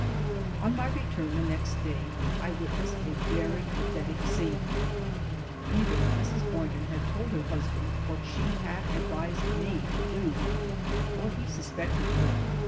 On my return the next day I witnessed a very pathetic scene. Either Mrs. Boynton had told her husband what she had advised me to do or he sus pected it.